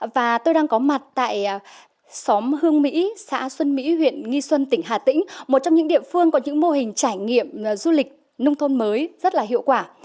và tôi đang có mặt tại xóm hương mỹ xã xuân mỹ huyện nghi xuân tỉnh hà tĩnh một trong những địa phương có những mô hình trải nghiệm du lịch nông thôn mới rất là hiệu quả